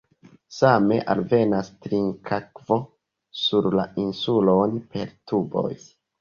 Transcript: Same alvenas trinkakvo sur la insulon per tuboj.